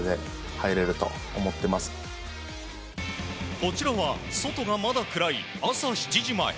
こちらは外がまだ暗い朝７時前。